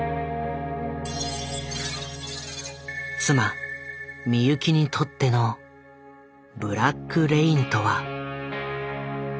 妻・美由紀にとっての「ブラック・レイン」とは。